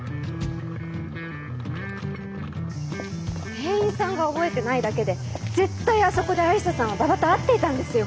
店員さんが覚えてないだけで絶対あそこで愛理沙さんは馬場と会っていたんですよ！